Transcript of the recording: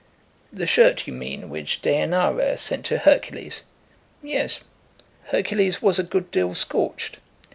"The shirt, you mean, which Dejanira sent to Hercules. Yes; Hercules was a good deal scorched."